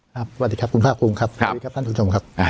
สวัสดีครับคุณภาคภูมิครับสวัสดีครับท่านผู้ชมครับ